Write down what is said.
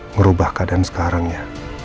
merubah keadaan sekarang ya